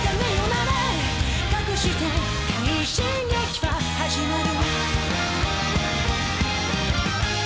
鳴れかくして快進撃は始まる」